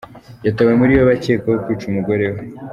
Yatawe muri yombi akekwaho kwica umugore we